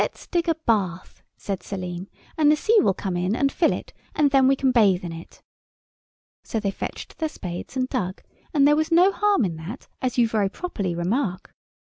] "Let's dig a bath," said Selim, "and the sea will come in and fill it, and then we can bathe in it." So they fetched their spades and dug—and there was no harm in that, as you very properly remark.